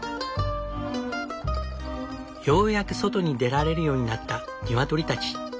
ようやく外に出られるようになった鶏たち。